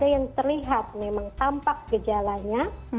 yang terlihat memang tampak gejalanya